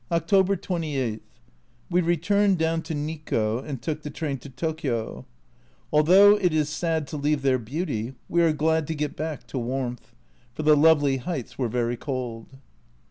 October 28. We returned down to Nikko and took the train to Tokio. Though it is sad to leave their beauty we are glad to get back to warmth, for the lovely heights were very cold.